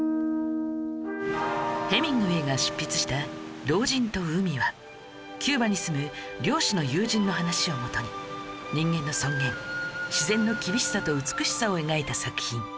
ヘミングウェイが執筆した『老人と海』はキューバに住む漁師の友人の話をもとに人間の尊厳自然の厳しさと美しさを描いた作品